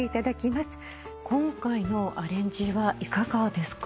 今回のアレンジはいかがですか？